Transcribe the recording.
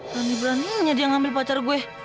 berani beraninya dia ngambil pacar gue